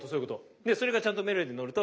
でそれがちゃんとメロディーにのると。